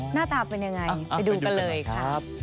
หน้าตาเป็นยังไงไปดูกันเลยค่ะ